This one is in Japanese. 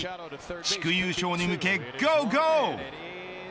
地区優勝に向けゴーゴー。